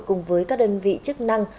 cùng với các đơn vị chức năng